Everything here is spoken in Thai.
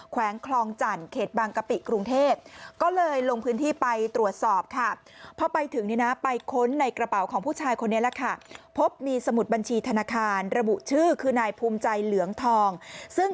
แขวงคลองจันทร์เขตบางกะปิกรุงเทพฯ